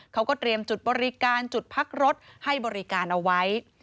เขาก็เตรียมจุดบริการจุดพักรถให้บริการเอาไว้